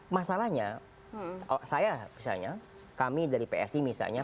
masalahnya saya misalnya kami dari psi misalnya